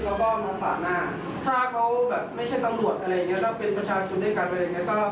เพราะว่าบางทีที่เราเลี่ยงออกมาเราเขาไม่เห็นจริงอะไรอย่างนี้